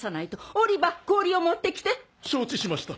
オリバー氷を持って来て！承知しました。